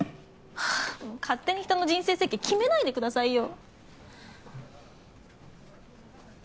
はぁもう勝手に人の人生設計決めないでくださいよ。